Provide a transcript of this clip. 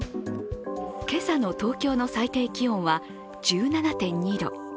今朝の東京の最低気温は１７．２度。